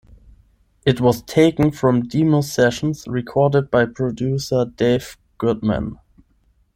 It was taken from demo sessions recorded by producer Dave Goodman.